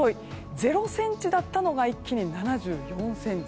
０ｃｍだったのが一気に７４ｃｍ。